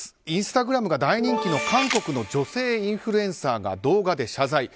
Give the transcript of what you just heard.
インスタグラムが大人気の韓国の女性インフルエンサーが動画で謝罪。